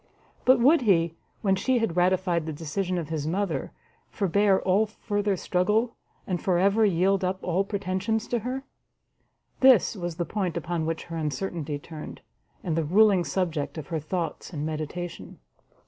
But would he, when she had ratified the decision of his mother, forbear all further struggle, and for ever yield up all pretensions to her? this was the point upon which her uncertainty turned, and the ruling subject of her thoughts and meditation.